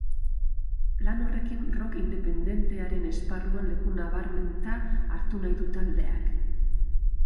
Lan horrekin rock independentearen esparruan leku nabarmenta hartu nahi du taldeak.